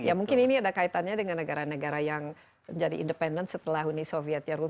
ya mungkin ini ada kaitannya dengan negara negara yang menjadi independen setelah uni soviet